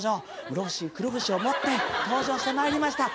室伏くるぶしを持って登場してまいりました。